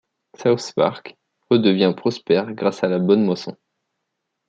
South Park redevient prospère grâce à la bonne moisson.